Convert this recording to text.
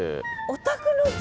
お宅の父